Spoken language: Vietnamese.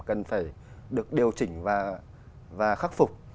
cần phải được điều chỉnh và khắc phục